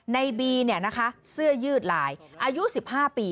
ในบีเสื้อยืดลายอายุ๑๕ปี